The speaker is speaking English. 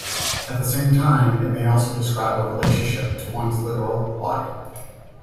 At the same time, it may also describe a relationship to one's literal body.